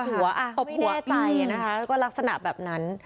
ตบหัวอ่ะไม่แน่ใจนะคะก็ลักษณะแบบนั้น